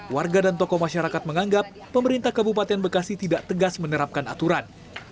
warga dan tokoh masyarakat menganggap pemerintah kabupaten bekasi tidak tegas menerapkan aturan